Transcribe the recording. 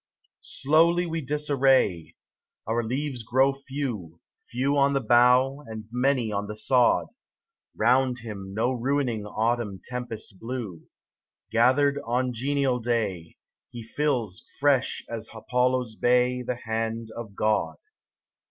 SLOWLY we disarray, Our leaves grow few, Few on the bough, and many on the sod : Round him no ruining autumn tempest blew ; Gathered on genial day, He fills, fresh as Apollo's bay, The Hand of God.